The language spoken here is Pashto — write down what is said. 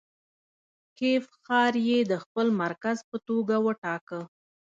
کیف ښاریې د خپل مرکز په توګه وټاکه.